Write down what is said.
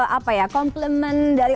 apa ya komplement dari